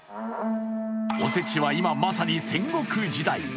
おせちは今まさに戦国時代。